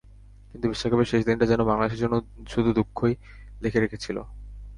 কিন্তু বিশ্বকাপের শেষ দিনটা যেন বাংলাদেশের জন্য শুধু দুঃখই লিখে রেখেছিল।